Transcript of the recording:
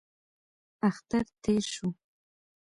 اختر تېر شو.